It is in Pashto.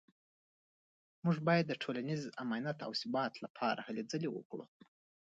موږ باید د ټولنیز امنیت او ثبات لپاره هلې ځلې وکړو